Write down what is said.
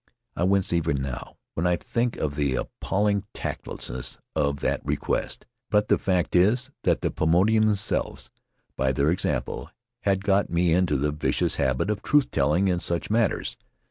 I wince, even now, when I think of the appalling tactlessness of that request; but the fact is that the Paumotuans themselves, by their example, had got me into the vicious habit of truth telling in such matters.